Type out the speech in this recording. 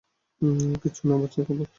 কিছু না বাচ্চার কাপড়, স্যার।